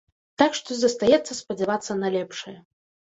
Так што застаецца спадзявацца на лепшае.